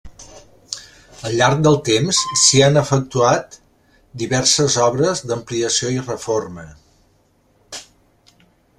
Al llarg del temps s'hi han efectuat diverses obres d'ampliació i reforma.